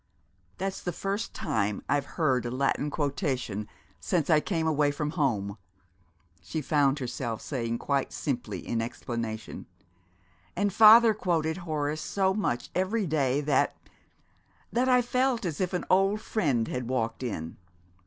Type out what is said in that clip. "That's the first time I've heard a Latin quotation since I came away from home," she found herself saying quite simply in explanation, "and Father quoted Horace so much every day that that I felt as if an old friend had walked in!"